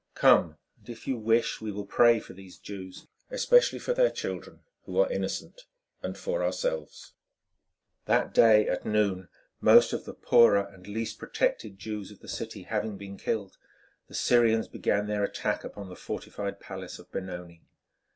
Come, and if you wish we will pray for these Jews, especially for their children, who are innocent, and for ourselves." That day at noon, most of the poorer and least protected Jews of the city having been killed, the Syrians began their attack upon the fortified palace of Benoni.